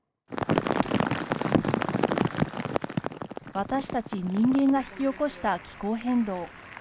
私たち人間が引き起こした気候変動。